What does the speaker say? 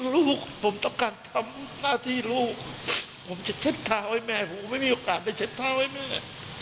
ลูกผมต้องการทำหน้าที่ลูกผมจะเช็ดเท้าให้แม่ผมไม่มีโอกาสได้เช็ดเท้าให้แม่